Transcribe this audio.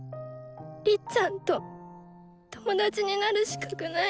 りっちゃんと友達になる資格ない。